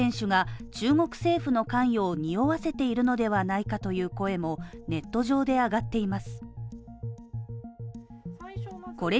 彭帥選手が注目政府の関与をにおわせているのではないかという声もネット上で上がっています。